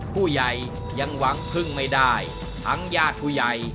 ผู้ใหญ่ยังหวังพึ่งไม่ได้ทั้งญาติผู้ใหญ่